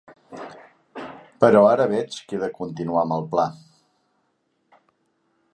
Però ara veig que he de continuar amb el pla.